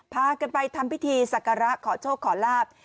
พากันไปทำพิธีสักการะขอโชคขอลาบ